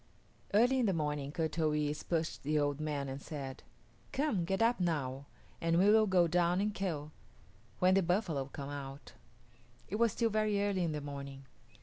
Early in the morning Kut o yis´ pushed the old man and said, "Come, get up now, and we will go down and kill, when the buffalo come out." It was still very early in the morning.